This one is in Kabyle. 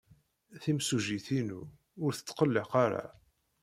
Timsujjit-inu ur tetqelleq ara.